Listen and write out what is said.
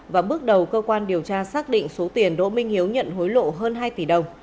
và bước đầu cơ quan điều tra xác định số tiền đỗ minh hiếu nhận hối lộ hơn hai tỷ đồng